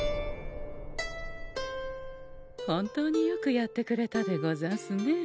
本当によくやってくれたでござんすね。